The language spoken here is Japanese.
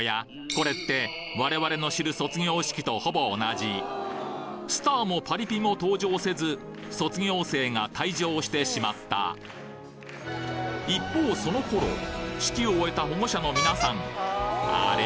これってスターもパリピも登場せず卒業生が退場してしまった一方その頃式を終えた保護者の皆さんあれ？